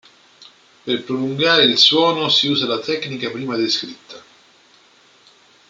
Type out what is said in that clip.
Per prolungare il suono si usa la tecnica prima descritta.